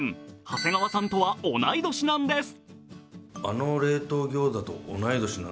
長谷川さんとは同い年なんです。